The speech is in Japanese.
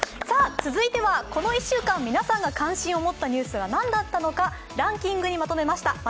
続いてはこの１週間、皆さんが関心を持ったニュースがなんだったのかランキングにまとめました。